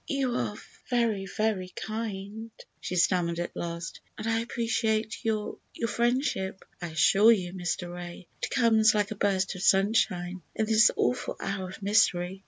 "You are very, very kind," she stammered at last, "and I appreciate your—your friendship, I assure you, Mr. Ray. It comes like a burst of sunshine in this awful hour of misery.